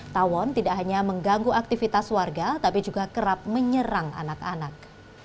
tawon tidak hanya mengganggu aktivitas warga tapi juga kerap menyerang anak anak